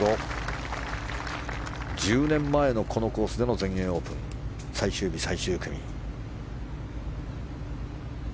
１０年前のこのコースの全英オープン最終日、最終組。